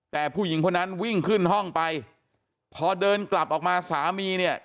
แต่ผู้หญิงคนนั้นวิ่งขึ้นห้องไปพอเดินกลับออกมาสามีเนี่ย